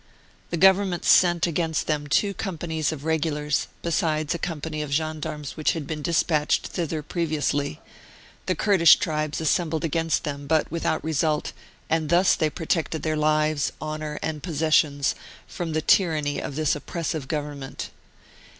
The Government sent against them two companies of regulars, besides a company of gen darmes which had been despatched thither pre viously ; the Kurdish tribes assembled against them, but without result, and thus they protected their lives, honour, and possessions from the tyranny of this oppressive Government.